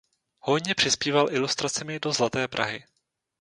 Hojně přispíval ilustracemi do Zlaté Prahy.